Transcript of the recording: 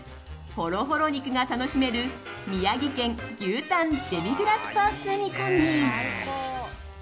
ホロホロ肉が楽しめる宮城県牛タンデミグラスソース煮込み。